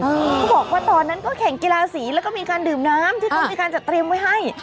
เขาบอกว่าตอนนั้นก็แข่งกีฬาสีแล้วก็มีการดื่มน้ำที่เขามีการจัดเตรียมไว้ให้